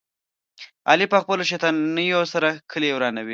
علي په خپلو شیطانیو سره کلي ورانوي.